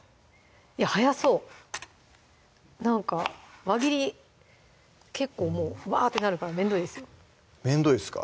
いや早そうなんか輪切り結構もうワーッてなるからめんどいですめんどいっすか